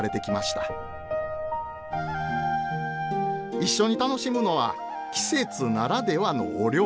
一緒に楽しむのは季節ならではのお料理！